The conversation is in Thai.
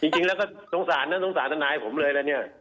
จริงแล้วก็สงสำสงสารสน่าให้ผมเลยแล้วเนี่ย